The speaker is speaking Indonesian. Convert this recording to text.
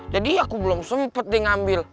jadi aku belum sempet deh ngambil